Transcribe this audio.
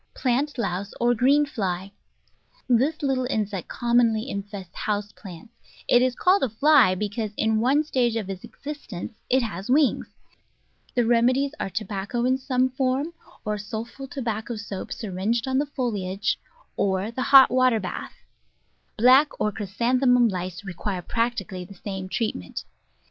Digitized by Google 248 The Flower Garden [Chapter Plant Louse or Green Fly : This little insect com monly infests house plants; it is called a fly because in one stage of its existence it has wings. The rem edies are tobacco in some form, or sulpho tobacco soap syringed on the foliage, or the hot water bath. Black or Chrysanthemum Lice require practically the same treatment.